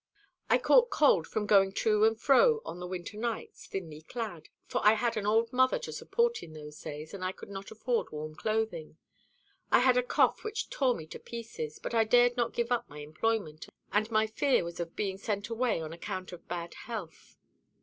I caught cold from going to and fro on the winter nights, thinly clad; for I had an old mother to support in those days, and I could not afford warm clothing. I had a cough which tore me to pieces; but I dared not give up my employment, and my fear was of being sent away on account of bad health.